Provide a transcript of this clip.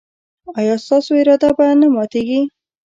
ایا ستاسو اراده به نه ماتیږي؟